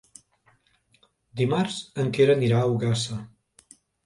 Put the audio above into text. Dimarts en Quer anirà a Ogassa.